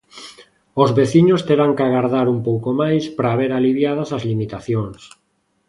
Os veciños terán que agardar un pouco máis para ver aliviadas as limitacións.